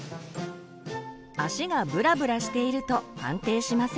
足がブラブラしていると安定しません。